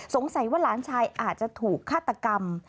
สงสัยว่าหลานชายอาจจะถูกฆาตกรรม